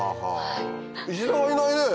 石田がいないね。